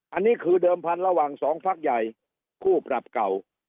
อันนี้คือเดิมพันธุ์ระหว่างสองพักใหญ่คู่ปรับเก่า